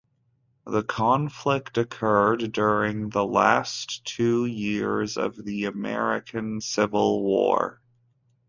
The conflict occurred during the last two years of the American Civil War.